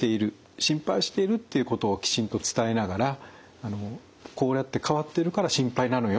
心配しているっていうことをきちんと伝えながら「こうやって変わってるから心配なのよ」